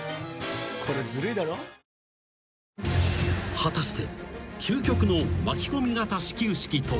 ［果たして］